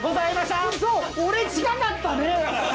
ウソ俺近かったね！